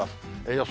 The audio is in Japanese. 予想